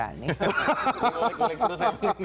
mulai mulai terus ya